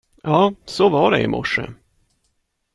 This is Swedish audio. Ja, så var det i morse!